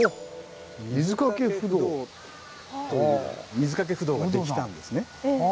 水かけ不動が出来たんですね。